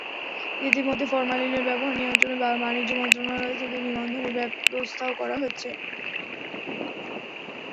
ইতিমধ্যে ফরমালিনের ব্যবহার নিয়ন্ত্রণে বাণিজ্য মন্ত্রণালয় থেকে নিবন্ধনের ব্যবস্থাও করা হয়েছে।